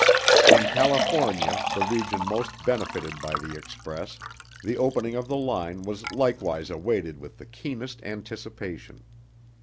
In California, the region most benefited by the express, the opening of the line was likewise awaited with the keenest anticipation.